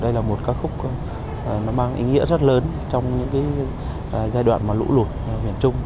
đây là một ca khúc mang ý nghĩa rất lớn trong giai đoạn lũ lụt miền trung